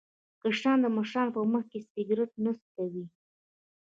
کشران د مشرانو په مخ کې سګرټ نه څکوي.